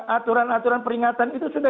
aturan aturan peringatan itu sudah